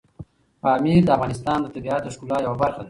پامیر د افغانستان د طبیعت د ښکلا یوه برخه ده.